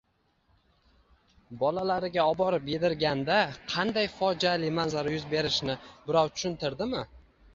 bolalariga oborib yedirganda qanday fojeali manzara yuz berishini birov tushuntirdimi?